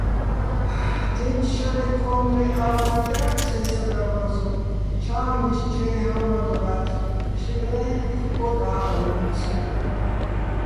დი́ნჩო̆ შარე, ქო́ნდრეჼ არომატ ჲარ სე სადარბაზო, ჩა́მლიშ ჩაჲ ჰა́მბადორა́თხ შილღეჼ ხკოდა́ღლო́მციჼ.